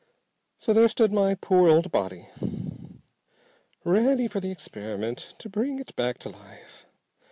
"So there stood my poor old body. Ready for the experiment to bring it back to life.